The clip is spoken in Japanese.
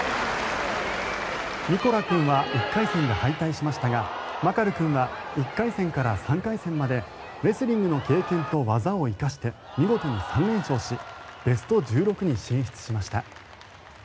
ミコラ君は１回戦で敗退しましたがマカル君は１回戦から３回戦までレスリングの経験と技を生かして見事に３連勝しベスト１６に進出しました。